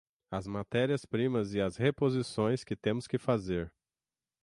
as matérias-primas e as reposições que temos que fazer